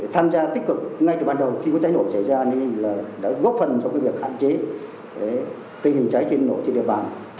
tham gia tích cực ngay từ ban đầu khi có cháy nổ xảy ra đã góp phần trong việc hạn chế tình hình cháy thiên nổ trên địa bàn